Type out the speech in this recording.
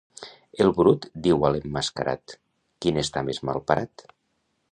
El brut diu a l'emmascarat: qui n'està més malparat?